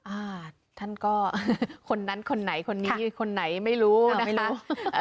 อ่าท่านก็คนนั้นคนไหนคนนี้คนไหนไม่รู้ไม่รู้